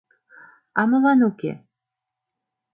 — А молан уке?